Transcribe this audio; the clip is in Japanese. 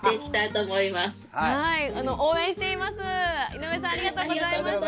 井上さんありがとうございました。